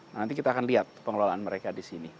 nah nanti kita akan lihat pengelolaan mereka di sini